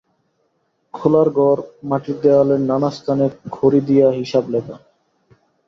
খোলার ঘর, মাটির দেওয়ালের নানাস্থানে খড়ি দিয়া হিসাব লেখা।